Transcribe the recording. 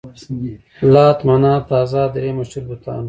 لات، منات، عزا درې مشهور بتان وو.